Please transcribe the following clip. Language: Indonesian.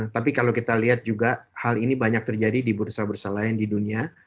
tapi kalau kita lihat juga hal ini banyak terjadi di bursa bursa lain di dunia